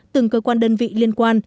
từng cơ quan đơn vị liên quan